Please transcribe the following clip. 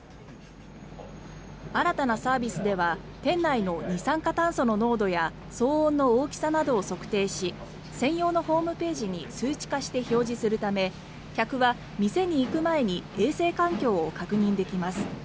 新たなサービスでは店内の二酸化炭素の濃度や騒音の大きさなどを測定し専用のホームページに数値化して表示するため客は店に行く前に衛生環境を確認できます。